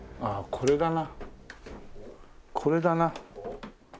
これだな。